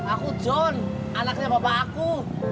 aku john anaknya bapak aku